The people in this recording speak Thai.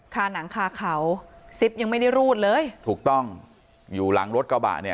หนังคาเขาซิปยังไม่ได้รูดเลยถูกต้องอยู่หลังรถกระบะเนี่ย